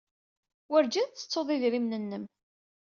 Werjin tettettuḍ idrimen-nnem.